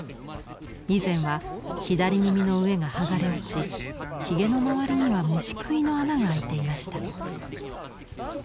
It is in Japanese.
以前は左耳の上が剥がれ落ちヒゲの周りには虫食いの穴があいていました。